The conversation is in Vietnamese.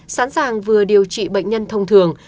sẵn sàng vừa điều trị bệnh nhân thông thường